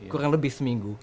kurang lebih seminggu